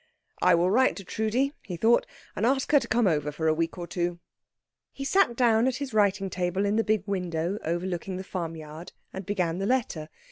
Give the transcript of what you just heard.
"I will write to Trudi," he thought, "and ask her to come over for a week or two." He sat down at his writing table in the big window overlooking the farmyard, and began the letter.